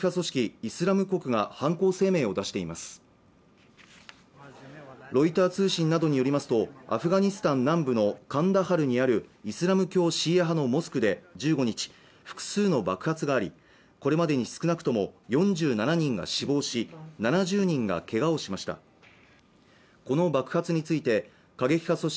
イスラム国が犯行声明を出していますロイター通信などによりますとアフガニスタン南部のカンダハルにあるイスラム教シーア派のモスクで１５日複数の爆発がありこれまでに少なくとも４７人が死亡し７０人がけがをしましたこの爆発について過激派組織